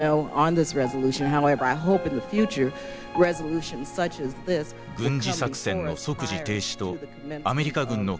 軍事作戦の即時停止とアメリカ軍の完全撤退を主張。